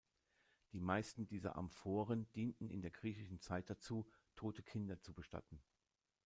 Die meisten dieser Amphoren dienten in der griechischen Zeit dazu, tote Kinder zu bestatten.